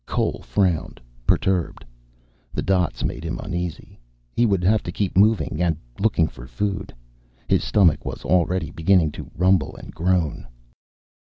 Cole frowned, perturbed. The dots made him uneasy. He would have to keep moving and looking for food. His stomach was already beginning to rumble and groan.